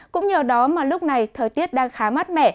cũng nhờ đó mà lúc này thời tiết đang khá mát mẻ